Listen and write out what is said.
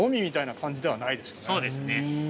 そうですね。